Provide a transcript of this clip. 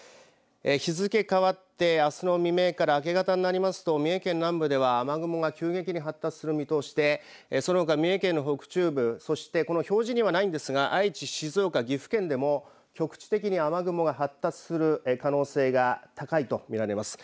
日付変わって、あすの未明から明け方になりますと三重県南部では雨雲が急激に発達する見通しでそのほか三重県の北中部そしてこの表示にはないんですが愛知、静岡、岐阜県でも局地的に雨雲が発達する可能性が高いと見られます。